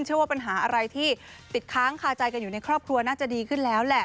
ว่าปัญหาอะไรที่ติดค้างคาใจกันอยู่ในครอบครัวน่าจะดีขึ้นแล้วแหละ